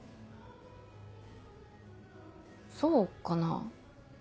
そうかな？